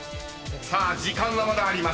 ［さあ時間はまだあります］